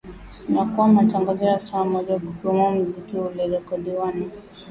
na kuwa matangazo ya saa moja kukiwemo muziki uliorekodiwa na